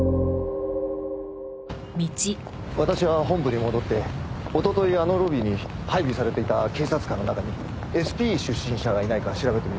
私は本部に戻って一昨日あのロビーに配備されていた警察官の中にＳＰ出身者がいないか調べてみる。